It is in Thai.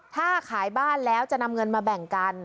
ถ้าขายบ้านแล้วจะนำเงินมาแบ่งกัน